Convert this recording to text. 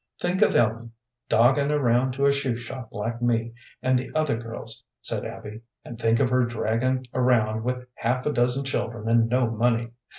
"Think of Ellen dogging around to a shoe shop like me and the other girls," said Abby, "and think of her draggin' around with half a dozen children and no money.